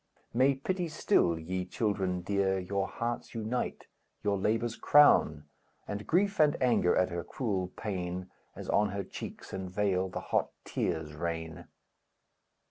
May pity still, ye children dear, Your hearts unite, your labors crown, And grief and anger at her cruel pain, As on her cheeks and veil the hot tears rain!